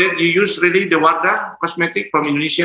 anda menggunakan warna kosmetik dari indonesia